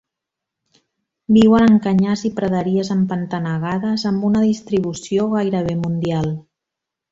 Viuen en canyars i praderies empantanegades, amb una distribució gairebé mundial.